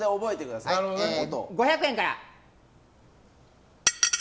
まず、５００円から。